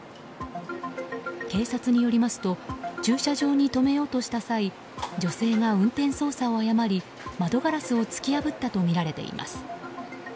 警察によりますと駐車場に止めようとした際女性が運転操作を誤り窓ガラスを突き破ったとみられています。